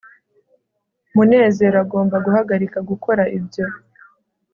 munezero agomba guhagarika gukora ibyo